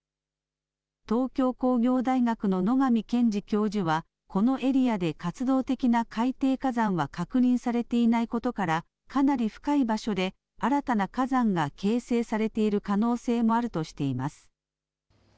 東京工業大学の野上健治教授はこのエリアで活動的な海底火山は確認されていないことからかなり深い場所で新たな火山が形成されている可能性もあるとしています。